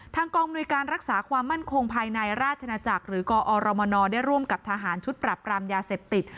กองมนุยการรักษาความมั่นคงภายในราชนาจักรหรือกอรมนได้ร่วมกับทหารชุดปรับปรามยาเสพติด